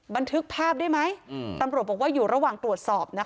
บันทึกภาพได้ไหมตำรวจบอกว่าอยู่ระหว่างตรวจสอบนะคะ